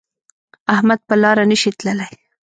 احمد په لاره نشي تللی.